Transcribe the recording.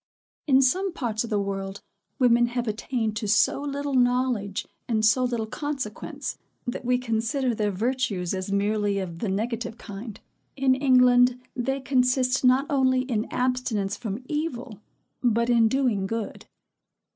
In some parts of the world, women have attained to so little knowledge and so little consequence, that we consider their virtues as merely of the negative kind. In England they consist not only in abstinence from evil, but in doing good.